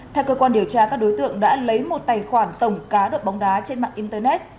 theo cơ quan điều tra các đối tượng đã lấy một tài khoản tổng cá độ bóng đá trên mạng internet